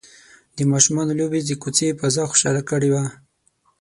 د ماشومانو لوبې د کوڅې فضا خوشحاله کړې وه.